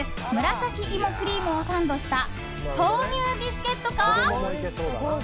紫いもクリームをサンドした豆乳ビスケットか。